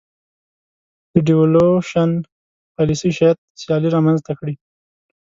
د devaluation پالیسي شاید سیالي رامنځته کړي.